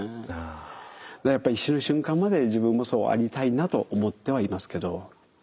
だからやっぱり死ぬ瞬間まで自分もそうありたいなと思ってはいますけど。